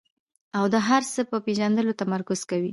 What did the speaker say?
او د هر څه په پېژندلو تمرکز کوي.